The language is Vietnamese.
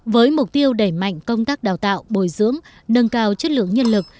với mục tiêu đẩy mạnh công tác đào tạo bồi dưỡng nâng cao chất lượng nhân lực